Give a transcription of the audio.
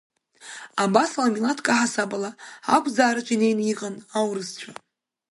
Абасала, милаҭк аҳасабала, ақәӡаараҿы инеины иҟан аурысцәа.